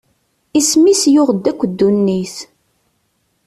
Isem-is yuɣ-d akk ddunit.